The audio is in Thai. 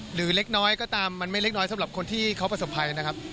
เล็กน้อยก็ตามมันไม่เล็กน้อยสำหรับคนที่เขาประสบภัยนะครับ